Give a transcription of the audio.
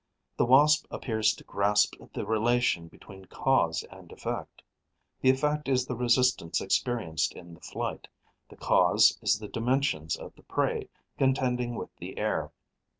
The Wasp appears to grasp the relation between cause and effect. The effect is the resistance experienced in the flight; the cause is the dimensions of the prey contending with the air.